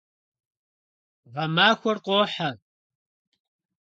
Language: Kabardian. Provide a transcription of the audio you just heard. Гъэмахуэр къохьэ.